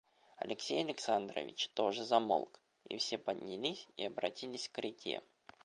Алексей Александрович тоже замолк, и все поднялись и обратились к реке.